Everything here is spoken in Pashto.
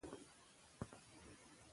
د سرچینو تخصیص باید عادلانه وي.